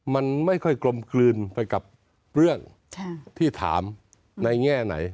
มันไม่ค่อยกลมกลืนไปกับเรื่องที่ถามในแง่ไหน